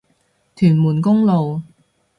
屯門公路